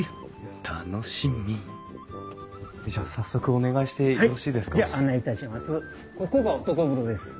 楽しみじゃあ早速お願いしてよろしいですか？